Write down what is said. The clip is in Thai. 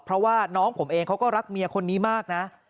เพราะว่าน้องผมเองเขาก็รักเมียคนนี้มากนะ